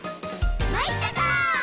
まいったか」